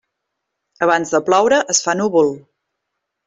Abans de ploure, es fa núvol.